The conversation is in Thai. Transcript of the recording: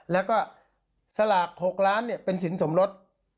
แล้วก็สลาก๖ล้านเป็นสินสมรส